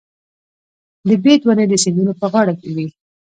د بید ونې د سیندونو په غاړه وي.